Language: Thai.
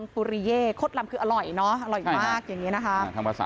ภูริเย่โคตรลำคืออร่อยเนอะอร่อยมากอย่างนี้นะคะ